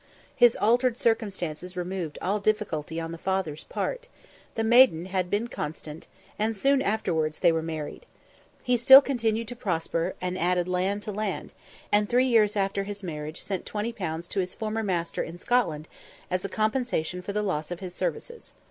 His altered circumstances removed all difficulty on the father's part the maiden had been constant and soon afterwards they were married. He still continued to prosper, and add land to land; and three years after his marriage sent twenty pounds to his former master in Scotland, as a compensation for the loss of his services.